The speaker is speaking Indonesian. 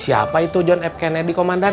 siapa itu john f kennedy komandan